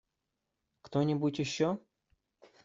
Кто-нибудь еще?